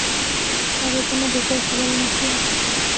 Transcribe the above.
বাবার জন্য দুপুরের খাবার এনেছো?